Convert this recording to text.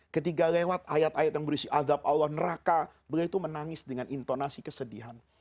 ketika lewat ayat ayat yang berisi adab allah neraka beliau itu menangis dengan intonasi kesedihan